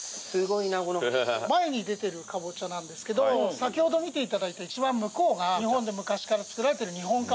前に出てるカボチャなんですけど先ほど見ていただいた一番向こうが日本で昔から作られてる。